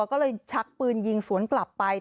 ก็เลยชักปืนยิงสวนกลับไป